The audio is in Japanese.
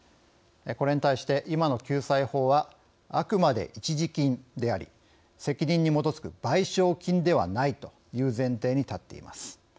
これに対して今の救済法はあくまで一時金であり責任に基づく賠償金ではないという前提に立っています。